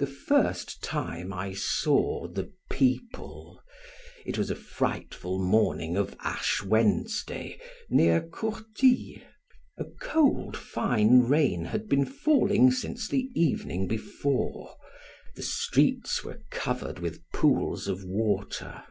The first time I saw the people it was a frightful morning of Ash Wednesday, near Courtille. A cold fine rain had been falling since the evening before; the streets were covered with pools of water.